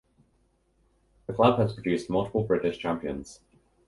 The club has produced multiple British champions